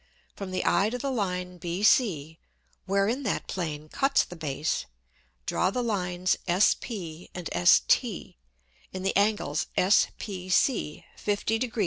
From the Eye to the Line BC, wherein that Plane cuts the Base, draw the Lines S_p_ and S_t_, in the Angles S_pc_ 50 degr.